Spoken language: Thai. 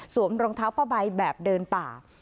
สวมรองเท้าประใบแบบเดินป่า